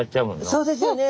そうですよね。